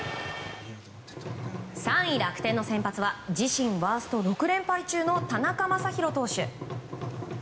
３位楽天の先発は自身ワースト６連敗中の田中将大投手。